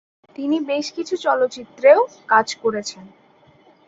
তিনি বেশ কিছু চলচ্চিত্রেও কাজ করেছেন।